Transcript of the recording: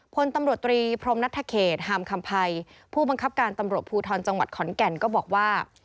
พลตำรวจตรีพรมนัทธเขตฮามคำภัยผู้บังคับการตำรวจภูทรจังหวัดขอนแก่นก็บอกว่า